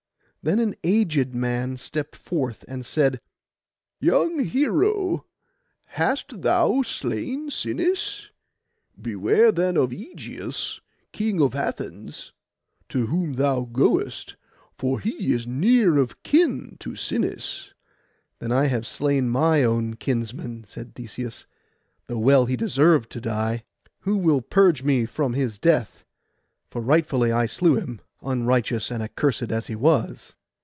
Then an aged man stepped forth, and said, 'Young hero, hast thou slain Sinis? Beware then of Ægeus, king of Athens, to whom thou goest, for he is near of kin to Sinis.' 'Then I have slain my own kinsman,' said Theseus, 'though well he deserved to die. Who will purge me from his death, for rightfully I slew him, unrighteous and accursed as he was?